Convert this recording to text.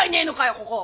ここ。